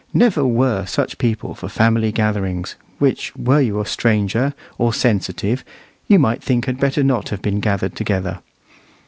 Never were such people for family gatherings; which, were you a stranger, or sensitive, you might think had better not have been gathered together.